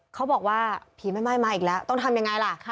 เขาบอกว่าผีไม่ไหม้มาอีกแล้วต้องทำยังไงล่ะ